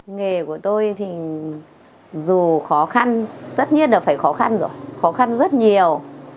nghề của tôi thì dù khó khăn tất nhiên là phải khó khăn rồi khó khăn rất nhiều